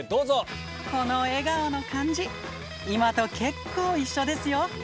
この笑顔の感じ、今と結構一緒ですよ。